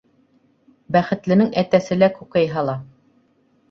Бәхетленең әтәсе лә күкәй һала.